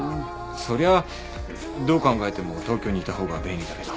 そりゃどう考えても東京にいた方が便利だけど。